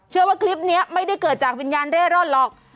ว่าคลิปนี้ไม่ได้เกิดจากวิญญาณเร่ร่อนหรอก